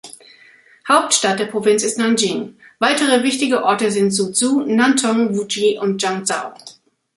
Hauptstadt der Provinz ist Nanjing, weitere wichtige Orte sind Suzhou, Nantong, Wuxi und Changzhou.